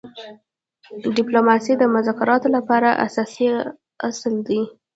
ډيپلوماسي د مذاکراتو لپاره اساسي اصل دی.